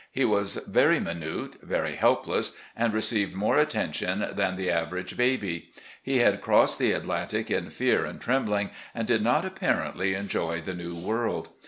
He was very minute, very helpless, and received more attention than the aver age baby. He had crossed the Atlantic in fear and trembling, and did not apparently enjoy the new world.